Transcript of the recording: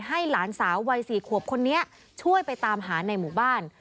หลานสาววัย๔ขวบคนนี้ช่วยไปตามหาในหมู่บ้าน